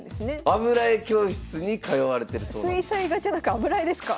油絵教室に通われてるそうなんですよ。